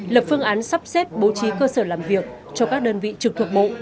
lập phương án sắp xếp bố trí cơ sở làm việc cho các đơn vị trực thuộc bộ